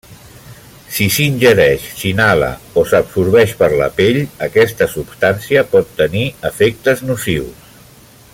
Si s'ingereix, s'inhala o s'absorbeix per la pell, aquesta substància pot tenir efectes nocius.